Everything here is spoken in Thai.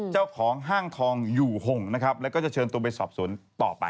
เจ้าของห้างทองอยู่ห่งนะครับแล้วก็จะเชิญตัวไปสอบสวนต่อไป